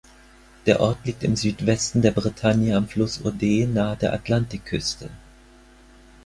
Der Ort liegt im Südwesten der Bretagne am Fluss Odet nahe der Atlantikküste.